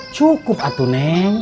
cukup atu neng